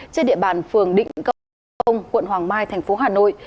trên địa bàn phường định công quận hoàng mai tp hà nội